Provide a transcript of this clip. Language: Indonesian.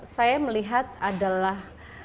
saya melihat adalah